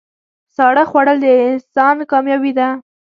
ساړه خوړل د انسان کامیابي ده.